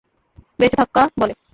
বেঁচে থাকা বলে।